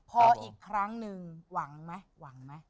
พออีกครั้งหนึ่งหวังไหม